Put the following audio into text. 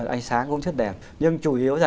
ánh sáng cũng rất đẹp nhưng chủ yếu là